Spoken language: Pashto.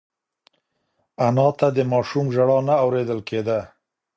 انا ته د ماشوم ژړا نه اورېدل کېده.